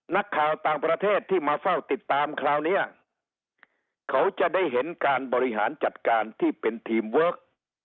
นักข่าวต่างประเทศที่มาเฝ้าติดตามคราวนี้เขาจะได้เห็นการบริหารจัดการที่เป็นทีมเวิร์ค